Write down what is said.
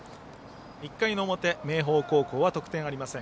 １回の表、明豊高校は得点ありません。